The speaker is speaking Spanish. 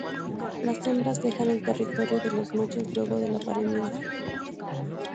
Las hembras dejan el territorio de los machos luego del apareamiento.